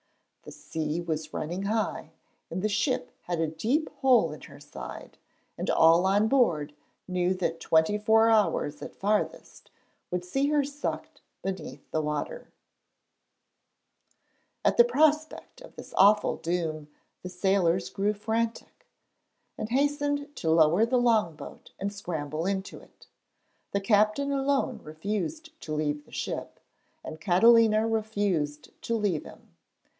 The sea was running high, and the ship had a deep hole in her side, and all on board knew that twenty four hours at farthest would see her sucked beneath the water. [Illustration: CATALINA RESCUED BY THE YOUNG OFFICER.] At the prospect of this awful doom the sailors grew frantic, and hastened to lower the long boat and scramble into it. The captain alone refused to leave the ship, and Catalina refused to leave him.